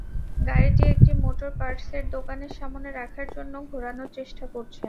গাড়িটি একটি মোটর পার্টসের দোকানের সামনে রাখার জন্য ঘোরানোর চেষ্টা করছেন।